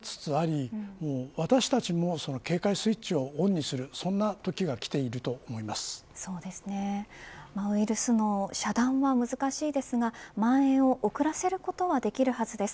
市中感染の局面は迫りつつあり私たちもその警戒スイッチをオンにする、そんなときがウイルスの遮断は難しいですがまん延をおくらせることはできるはずです。